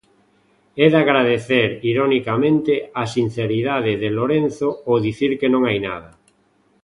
É de agradecer, ironicamente, a sinceridade de Lorenzo ao dicir que non hai nada.